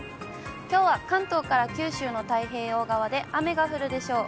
きょうは関東から九州の太平洋側で雨が降るでしょう。